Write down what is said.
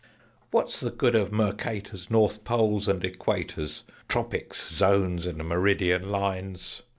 "What's the good of Mercator's North Poles and Equators, Tropics, Zones, and Meridian Lines?"